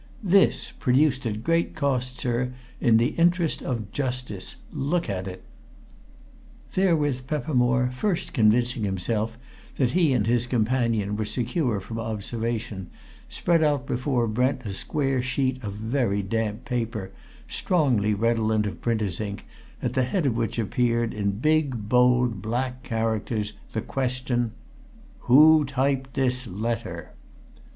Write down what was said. This, produced at great cost, sir, in the interest of Justice! Look at it!" Therewith Peppermore, first convincing himself that he and his companion were secure from observation, spread out before Brent a square sheet of very damp paper, strongly redolent of printers' ink, at the head of which appeared, in big, bold, black characters, the question: WHO TYPED THIS LETTER?